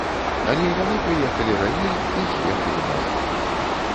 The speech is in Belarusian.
Але яны прыехалі раней і з'ехалі назад.